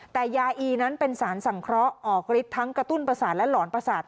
แต่ยาอีนั้นเป็นสารสังเคราะห์ออกฤทธิทั้งกระตุ้นประสาทและหลอนประสาท